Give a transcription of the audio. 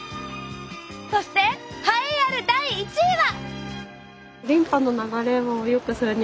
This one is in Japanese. そして栄えある第１位は！